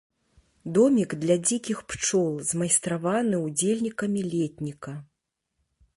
Домік для дзікіх пчол, змайстраваны ўдзельнікамі летніка.